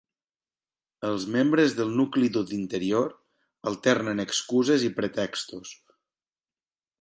Els membres del nucli dur d'Interior alternen excuses i pretextos.